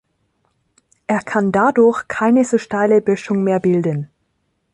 Er kann dadurch keine so steile Böschung mehr bilden.